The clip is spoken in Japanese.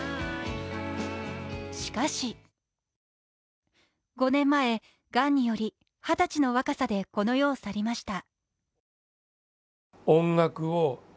しかし５年前、がんにより二十歳の若さでこの世を去りました。